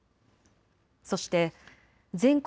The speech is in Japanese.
そして、全国